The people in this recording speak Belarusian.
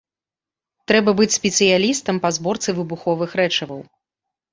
Трэба быць спецыялістам па зборцы выбуховых рэчываў.